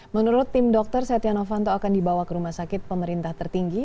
menurut tim dokter setia novanto akan dibawa ke rumah sakit pemerintah tertinggi